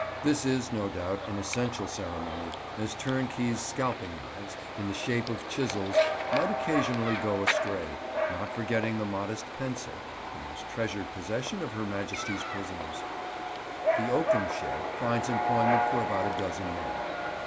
This is, no doubt, an essential ceremony, as turnkeys' scalping knives, in the shape of chisels, might occasionally go astray, not forgetting the modest pencil, the most treasured possession of Her Majesty's prisoners. The oakum shed finds employment for about a dozen men.